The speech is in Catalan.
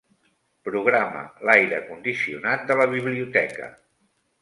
Programa l'aire condicionat de la biblioteca.